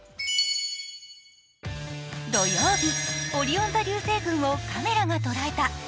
土曜日、オリオン座流星群をカメラが捉えた。